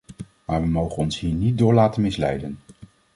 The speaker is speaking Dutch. Maar we mogen ons hier niet door laten misleiden.